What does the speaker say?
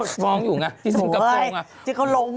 โดนฟองอยู่ไงที่ซึงกระโป้ไง